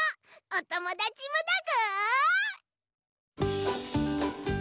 おともだちもだぐー！